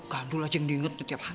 kadul aja yang diinget tuh tiap hari